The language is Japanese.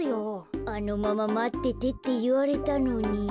あのまままっててっていわれたのに。